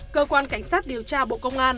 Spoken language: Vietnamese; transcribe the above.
cơ quan cảnh sát điều tra bộ công an